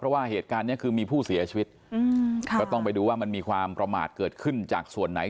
เพราะว่าเหตุการณ์นี้คือมีผู้เสียชีวิตก็ต้องไปดูว่ามันมีความประมาทเกิดขึ้นจากส่วนไหน